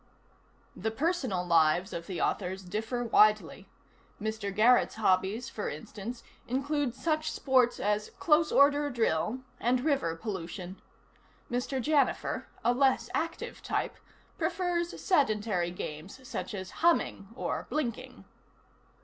The personal lives of the authors differ widely. Mr. Garrett's hobbies, for instance, include such sports as close order drill and river pollution. Mr. Janifer, a less active type, prefers sedentary games such as humming or blinking.